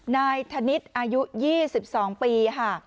นายธนิษฐ์อายุ๒๒ปีค่ะ